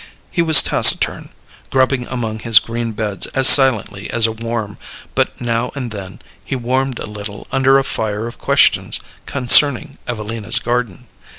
He was taciturn, grubbing among his green beds as silently as a worm, but now and then he warmed a little under a fire of questions concerning Evelina's garden.